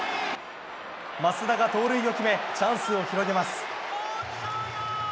増田が盗塁を決めチャンスを広げます。